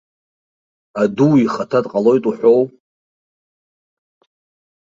Аду ихаҭа дҟалоит уҳәоу?